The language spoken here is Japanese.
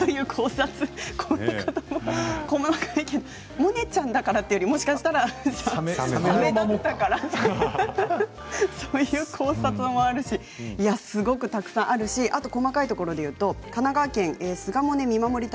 モネちゃんだからというかもしかしたらサメだったからそういう考察もあるしすごくたくさんあるし細かいところでいうと神奈川県の方からです。